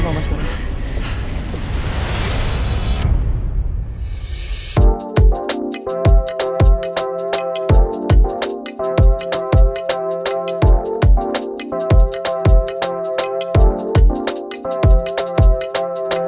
lompat dari sana